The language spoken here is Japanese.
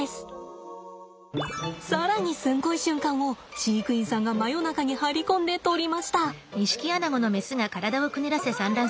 更にすんごい瞬間を飼育員さんが真夜中に張り込んで撮りました。